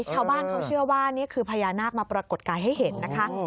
ชาวบ้านเขาเชื่อว่านี่คือพญานาคมาปรากฏกายให้เห็นนะคะ